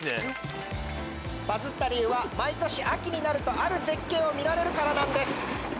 バズった理由は毎年秋になるとある絶景を見られるからなんです。